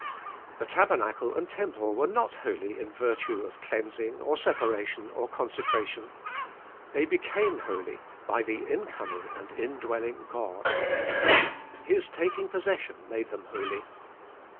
The tabernacle and temple were not holy in virtue of cleansing, or separation or consecration. They became holy by the incoming and indwelling God. His taking possession made them holy.